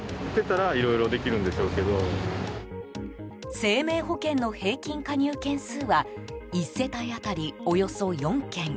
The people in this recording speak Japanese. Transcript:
生命保険の平均加入件数は１世帯当たりおよそ４件。